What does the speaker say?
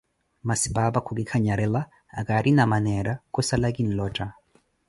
Masi paapa khuki kanyarela, akaarina maneera, kusala kinlotta.